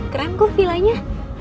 keren kok vilanya